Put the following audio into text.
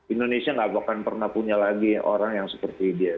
indonesia gak akan pernah punya lagi orang yang seperti dia